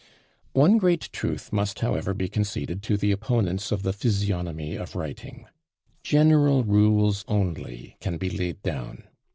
One great truth must however be conceded to the opponents of the physiognomy of writing; general rules only can be laid down.